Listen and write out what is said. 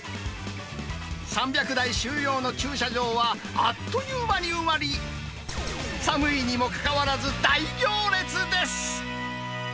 ３００台収容の駐車場は、あっという間に埋まり、寒いにもかかわらず、大行列です。